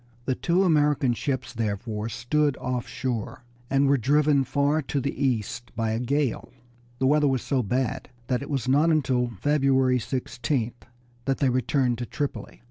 The two American ships therefore stood offshore, and were driven far to the east by a gale. The weather was so bad that it was not until February 16th that they returned to Tripoli.